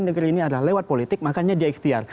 maka dia membuatnya lebih efektif